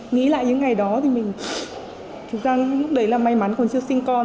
nghĩ lại những ngày đó thực ra lúc đấy may mắn còn chưa sinh con